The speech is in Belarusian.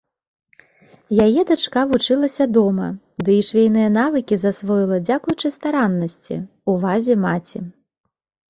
Яе дачка вучылася дома, ды і швейныя навыкі засвоіла дзякуючы стараннасці, увазе маці.